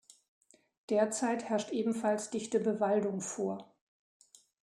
Derzeit herrscht ebenfalls dichte Bewaldung vor.